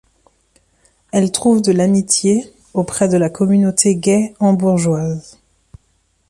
Elle trouve de l'amitié auprès de la communauté gay hambourgeoise.